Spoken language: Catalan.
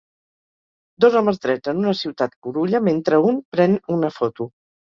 Dos homes drets en una ciutat curulla mentre un pren una foto